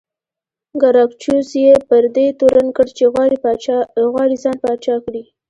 ګراکچوس یې پر دې تورن کړ چې غواړي ځان پاچا کړي